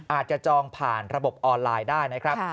จองผ่านระบบออนไลน์ได้นะครับ